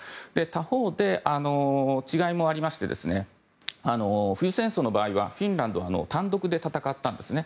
他方で、違いもありまして冬戦争の場合はフィンランドは単独で戦ったんですね。